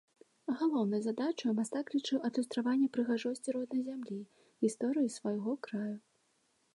Галоўнай задачаю мастак лічыў адлюстраванне прыгажосці роднай зямлі, гісторыі свайго краю.